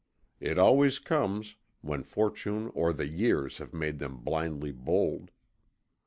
It always comes, when Fortune or the years have made them blindly bold.